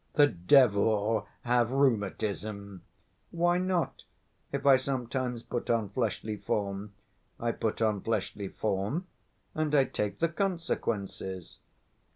"The devil have rheumatism!" "Why not, if I sometimes put on fleshly form? I put on fleshly form and I take the consequences.